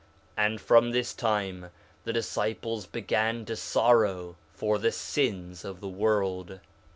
4 Nephi 1:44 And from this time the disciples began to sorrow for the sins of the world.